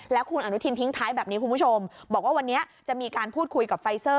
แล้วคุณอนุทินทิ้งท้ายแบบนี้คุณผู้ชมบอกว่าวันนี้จะมีการพูดคุยกับไฟเซอร์